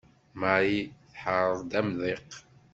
Mari tḥerr-d amḍiq.